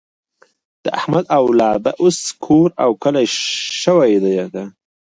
د احمد اولاده اوس کور او کلی شوې ده.